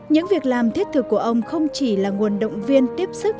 những việc làm thiết thực của ông không chỉ là nguồn động viên tiếp sức